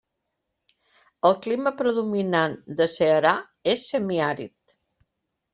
El clima predominant de Ceará és semiàrid.